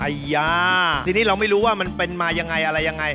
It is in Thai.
ยาทีนี้เราไม่รู้ว่ามันเป็นมายังไงอะไรยังไง